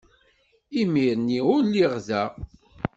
Imir-nni ur lliɣ da.